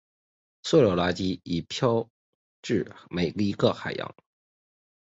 塑料垃圾已经飘至每一个海洋。